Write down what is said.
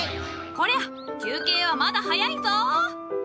こりゃ休憩はまだ早いぞ！